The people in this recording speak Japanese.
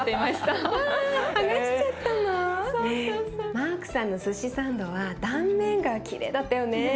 マークさんのすしサンドは断面がきれいだったよね。